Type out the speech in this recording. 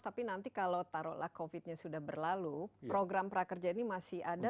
tapi nanti kalau taruhlah covid nya sudah berlalu program prakerja ini masih ada